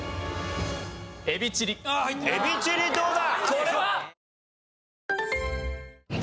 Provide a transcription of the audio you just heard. エビチリどうだ？